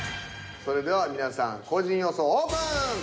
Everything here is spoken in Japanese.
それでは皆さん個人予想オープン！